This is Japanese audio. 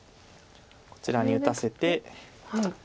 こちらに打たせて。